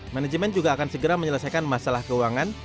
manajemen juga akan segera menyelesaikan masalah keuangan